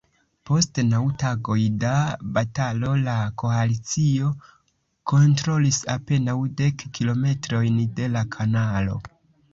Post naŭ tagoj da batalo, la koalicio kontrolis apenaŭ dek kilometrojn de la kanalo.